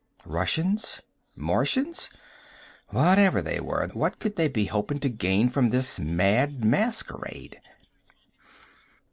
Russians? Martians? Whatever they were, what could they be hoping to gain from this mad masquerade?